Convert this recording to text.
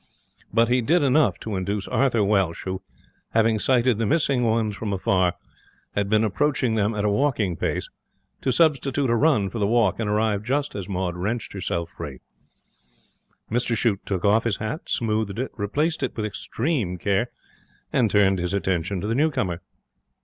But he did enough to induce Arthur Welsh, who, having sighted the missing ones from afar, had been approaching them at a walking pace, to substitute a run for the walk, and arrive just as Maud wrenched herself free. Mr Shute took off his hat, smoothed it, replaced it with extreme care, and turned his attention to the new comer.